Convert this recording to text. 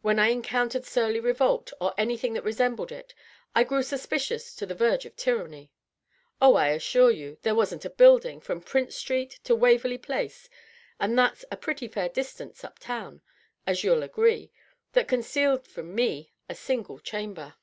When I encountered surly revolt, or any thing that resembled it, I grew suspicious to the verge of tyranny. .. Oh, I assure you, there wasn't, a building, from Prince Street to Waverley Place — and that's a pretty fair distance up town, as you'll agree — that concealed from me a single chamber.